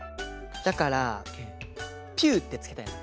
だから「ピュー」ってつけたいの。